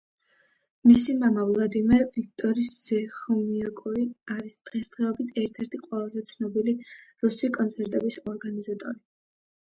მისი მამა ვლადიმერ ვიქტორის ძე ხომიაკოვი არის დღესდღეისობით ერთ-ერთი ყველაზე ცნობილი რუსი კონცერტების ორგანიზატორი.